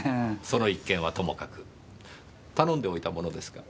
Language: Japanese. その一件はともかく頼んでおいたものですが。